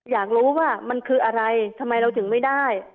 อยากรู้ว่ามันคืออะไรทำไมเราถึงไม่ได้